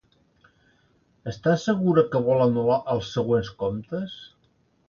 Estar segura que vol anul·lar els següents comptes?